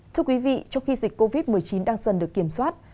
thưa quý vị trong khi dịch covid một mươi chín đang dần được kiểm soát